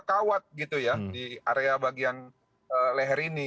kawat di area bagian leher ini